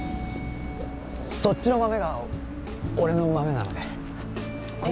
そっちの豆が俺の豆なのでえッ？